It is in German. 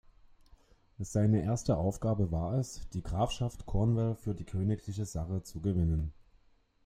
Seine erste Aufgabe war es, die Grafschaft Cornwall für die königliche Sache zu gewinnen.